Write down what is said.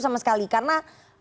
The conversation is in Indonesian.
sama sekali karena